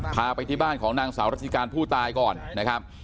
พาไปที่บ้านของนางสาวรัชิการผู้ตายก่อนนะครับ